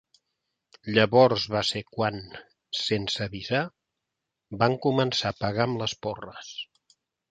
Llavors va ser quan, sense avisar, van començar a pegar amb les porres.